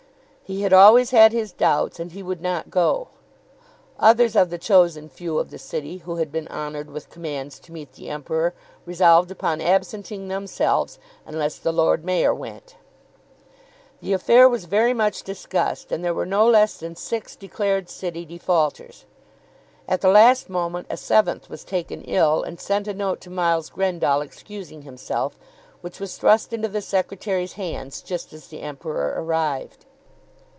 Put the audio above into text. He had always had his doubts, and he would not go. Others of the chosen few of the City who had been honoured with commands to meet the Emperor resolved upon absenting themselves unless the Lord Mayor went. The affair was very much discussed, and there were no less than six declared City defaulters. At the last moment a seventh was taken ill and sent a note to Miles Grendall excusing himself, which was thrust into the secretary's hands just as the Emperor arrived.